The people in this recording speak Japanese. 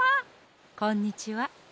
こんにちは。